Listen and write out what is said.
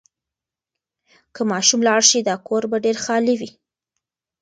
که ماشوم لاړ شي، دا کور به ډېر خالي وي.